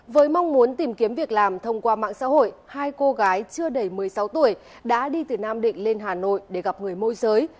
với mong muốn tìm kiếm việc làm thông qua mạng xã hội hai cô gái chưa đầy một mươi sáu tuổi đã đi từ nam định lên hà nội để gặp người môi giới